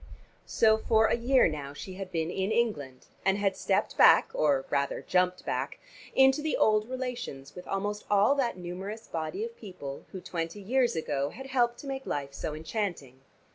So for a year now she had been in England, and had stepped back, or rather jumped back, into the old relations with almost all that numerous body of people who twenty years ago had helped to make life so enchanting.